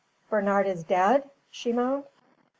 "Bernard is dead!" she moaned.